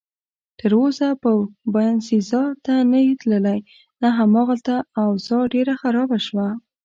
تراوسه به باینسیزا ته نه یې تللی؟ نه، هماغلته اوضاع ډېره خرابه شوه.